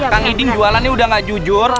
kan ngiding jualannya udah gak jujur